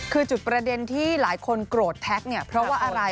คือจุดประเด็นที่หลายคนโกรธแท็กเนี่ยเพราะว่าอะไร